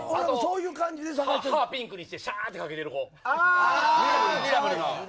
歯ピンクにしてしゃーってかけている子。